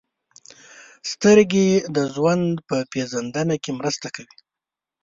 • سترګې د ژوند په پېژندنه کې مرسته کوي.